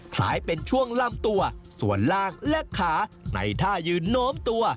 คล้ายเป็นช่วงลำตัวส่วนล่างและขาในท่ายืนโน้มตัว